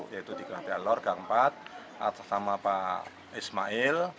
yaitu di ketia lor gang empat sama pak ismail